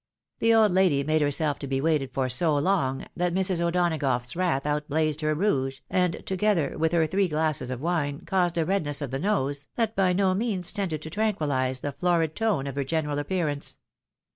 The old lady made her self to be waited for so long, that Mrs. O'Donagough's wrath out blazed her rouge, and, together with her three glasses of wine, caused a redness of the nose, that by no means tended to tranquiUise the iiorid tone of her general appearance.